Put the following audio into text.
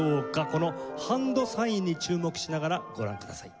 このハンドサインに注目しながらご覧ください。